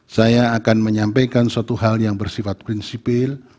saya akan menyampaikan suatu hal yang bersifat prinsipil